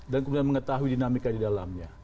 dan kemudian mengetahui dinamika di dalamnya